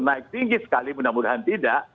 kalau kasus itu naik tinggi sekali mudah mudahan tidak